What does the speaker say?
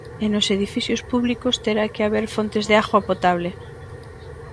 E nos edificios públicos terá que haber fontes de auga potable.